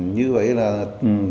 như vậy là tiền yên nhật